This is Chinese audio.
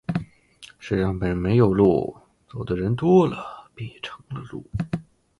世上本没有路，走的人多了，也便成了路。